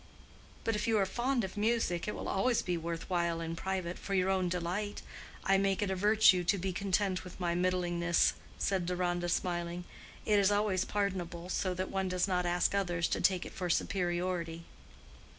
"But if you are fond of music, it will always be worth while in private, for your own delight. I make it a virtue to be content with my middlingness," said Deronda, smiling; "it is always pardonable, so that one does not ask others to take it for superiority."